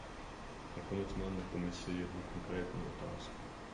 Nakonec mám na Komisi jednu konkrétní otázku.